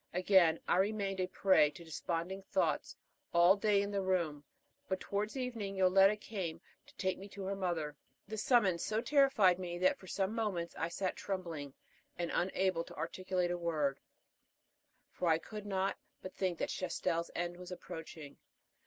Again I remained, a prey to desponding thoughts, all day in the room; but towards evening Yoletta came to take me to her mother. The summons so terrified me that for some moments I sat trembling and unable to articulate a word; for I could not but think that Chastel's end was approaching.